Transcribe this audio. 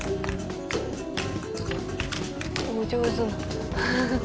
お上手な。